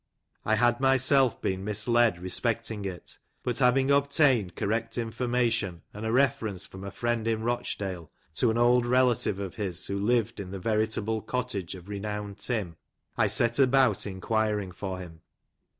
I had myself been misled respecting it ; but having obtained correct information, and a reference from a friend in Rochdale to an old relative of his who lived in the veritable cottage of renowned Tim, I set about enquiring for him.